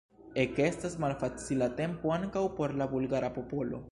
Ekestas malfacila tempo ankaŭ por la bulgara popolo.